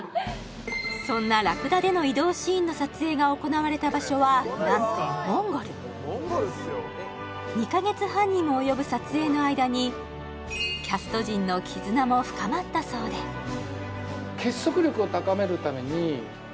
そんなラクダでの移動シーンの撮影が行われた場所は何とモンゴル２か月半にも及ぶ撮影の間にキャスト陣の絆も深まったそうでええっ！